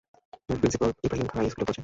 Principal Ibrahim Khan এই স্কুলে পড়েছেন।